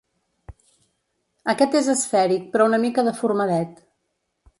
Aquest és esfèric però una mica deformadet.